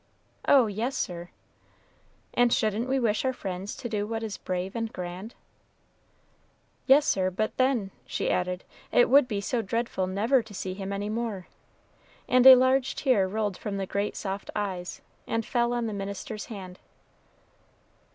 "Oh, yes, sir." "And shouldn't we wish our friends to do what is brave and grand?" "Yes, sir; but then," she added, "it would be so dreadful never to see him any more," and a large tear rolled from the great soft eyes and fell on the minister's hand.